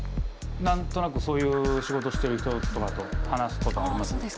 何となくそういう仕事してる人とかと話すことがあります。